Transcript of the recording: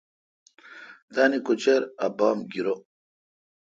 تان کوچر ابام گیرو۔